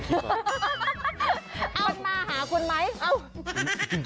อันนี้ไม่ได้คิดนะ